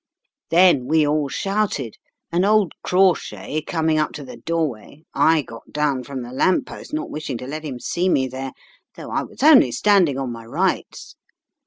"Then we all shouted, and old Crawshay coming up to the doorway, I got down from the lamp post, not wishing to let him see me there, though I was only standing on my rights.